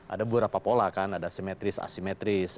ada beberapa pola kan ada simetris asimetris